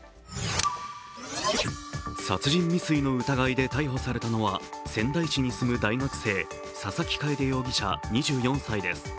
殺人未遂の疑いで逮捕されたのは仙台に住む大学生、佐々木楓容疑者２４歳です。